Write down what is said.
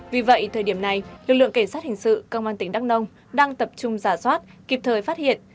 vì vậy thời điểm này lực lượng cảnh sát hình sự công an tỉnh đắk nông đang tập trung giả soát kịp thời phát hiện